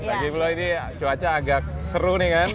lagipula ini cuaca agak seru nih kan